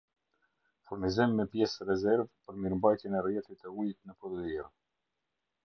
Furnizim me pjesë rezervë për mirëmbajtjen e rrjetit të ujit në podujevë